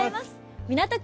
港区